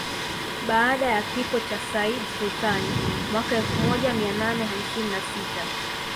Baada ya kifo cha Sayyid Sultan mwaka elfu moja mia nane hamsini na sita